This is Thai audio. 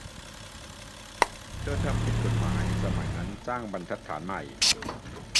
เธอ "ทำผิดกฎหมาย" สมัยนั้น -สร้างบรรทัดฐานใหม่